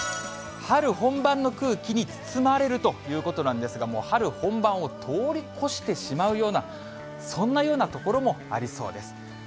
春本番の空気に包まれるということなんですが、もう春本番を通り越してしまうような、そんなような所もありそうです。